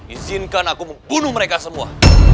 izinkan aku membunuh mereka semua